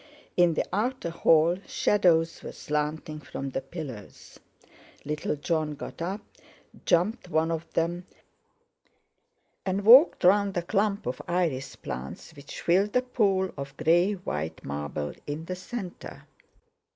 In the outer hall shadows were slanting from the pillars. Little Jon got up, jumped one of them, and walked round the clump of iris plants which filled the pool of grey white marble in the centre.